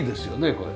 これ。